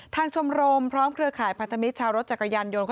ทางชมรมพร้อมเครือข่ายผลัครภัณฑ์ลิตรชาวรถจักรยานยนต์